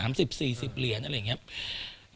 ไม่ถึงร้อยเหรียญนะ๓๐๔๐เหรียญอะไรอย่างนี้